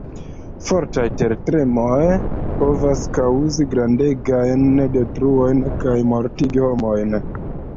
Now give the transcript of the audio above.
Fortaj tertremoj povas kaŭzi grandegajn detruojn kaj mortigi homojn.